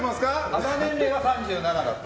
肌年齢は３７だった。